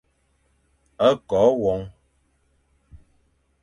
Ko won.